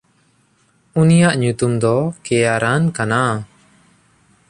ᱩᱱᱤᱭᱟᱜ ᱧᱩᱛᱩᱢ ᱫᱚ ᱠᱮᱭᱟᱨᱟᱱ ᱠᱟᱱᱟ᱾